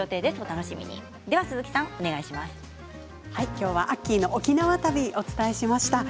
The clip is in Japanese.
きょうはアッキーの沖縄旅お伝えしました。